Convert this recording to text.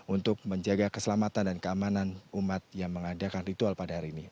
untuk menjaga keselamatan dan keamanan umat yang mengadakan ritual pada hari ini